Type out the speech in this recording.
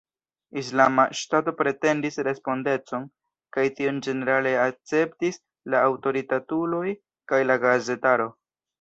Islama Ŝtato pretendis respondecon, kaj tion ĝenerale akceptis la aŭtoritatuloj kaj la gazetaro.